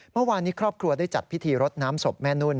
เมื่อวานนี้ครอบครัวได้จัดพิธีรดน้ำศพแม่นุ่น